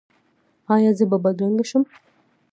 ایا زه به بدرنګه شم؟